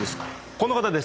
この方です。